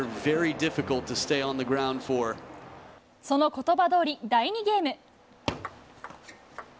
その言葉どおり、第２ゲーム。